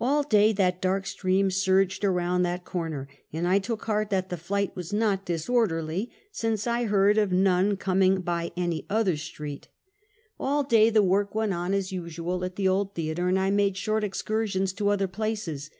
All day that dark stream surged around that cor ner, and I took heart that thefiight was not disorderly, since I heard of none coming by any other street. All MoEE Victims and a Change of Base. 333 day tlie work went on as usual at the old theater, and I made short excursions to other places.